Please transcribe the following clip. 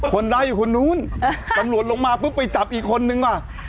คนร้ายอยู่คนนู้นตำรวจลงมาปุ๊บไปจับอีกคนนึงอ่ะ